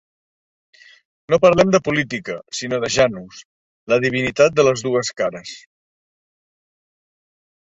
No parlem de política, sinó de Janus, la divinitat de les dues cares.